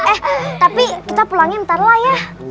eh tapi kita pulangin ntar lah ya